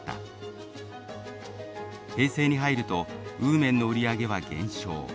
平成に入ると温麺の売り上げは減少。